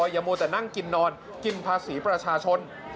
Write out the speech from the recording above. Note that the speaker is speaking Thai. อย่ามัวแต่นั่งกินนอนกินภาษีประชาชน